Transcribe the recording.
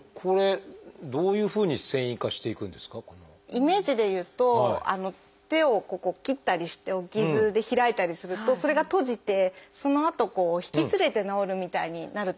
イメージで言うと手をここ切ったりしてお傷で開いたりするとそれが閉じてそのあとこう引きつれて治るみたいになると思うんですけど。